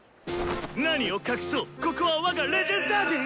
何を隠そうここは我がレジェンダディ！